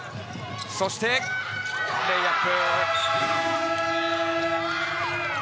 そしてレイアップ。